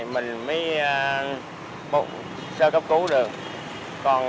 mình mới sơ cấp cứu được